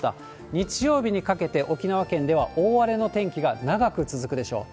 日曜日にかけて沖縄県では大荒れの天気が長く続くでしょう。